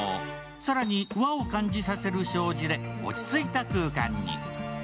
更に、和を感じさせる障子で落ち着いた空間に。